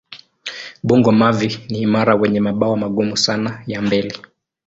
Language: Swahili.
Bungo-mavi ni imara wenye mabawa magumu sana ya mbele.